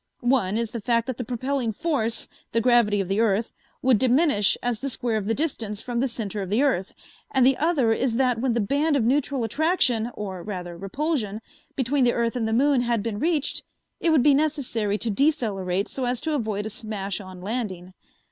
One is the fact that the propelling force, the gravity of the earth, would diminish as the square of the distance from the center of the earth, and the other is that when the band of neutral attraction, or rather repulsion, between the earth and the moon had been reached, it would be necessary to decelerate so as to avoid a smash on landing.